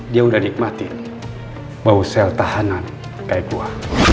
dia udah nikmatin bawa sel tahanan kayak gua